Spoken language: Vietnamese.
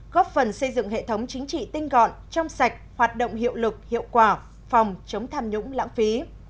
góp phần xây dựng hệ thống chính trị tinh gọn trong sạch hoạt động hiệu lực hiệu quả phòng chống tham nhũng lãng phí